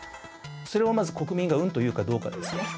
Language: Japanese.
それをまず国民がうんと言うかどうかですね。